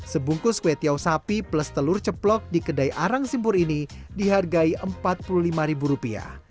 sebungkus kue tiau sapi plus telur ceplok di kedai arang simpur ini dihargai rp empat puluh lima